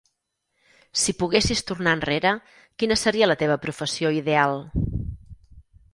Si poguessis tornar enrere, quina seria la teva professió ideal?